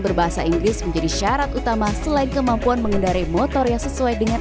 berbahasa inggris menjadi syarat utama selain kemampuan mengendari motor yang sesuai dengan